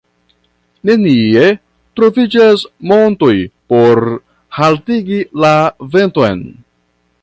Nenie troviĝas montoj por haltigi la venton.